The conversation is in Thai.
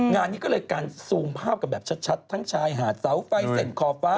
งานนี้ก็เลยการซูมภาพกันแบบชัดทั้งชายหาดเสาไฟเส้นขอบฟ้า